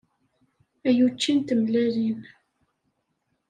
Ay učči n tmellalin.